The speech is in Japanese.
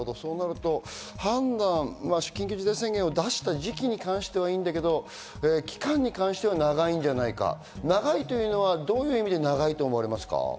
そうなると緊急事態宣言を出した時期に関してはいいんだけど、期間に関しては長いんじゃないか、どういう意味で長いと思われますか？